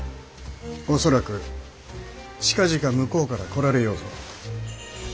恐らく近々向こうから来られようぞ。